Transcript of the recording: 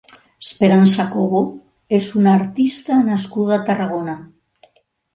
Esperança Cobo és una artista nascuda a Tarragona.